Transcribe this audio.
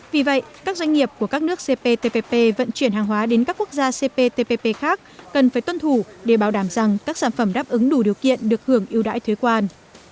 vì vậy các doanh nghiệp của các nước cptpp vận chuyển hàng hóa đến các quốc gia cptpp khác cần phải tuân thủ để bảo đảm rằng các sản phẩm đáp ứng đủ điều kiện được hưởng ưu đãi thuế quan